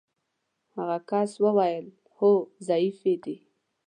هغه کس وویل: هو ضعیفې دي.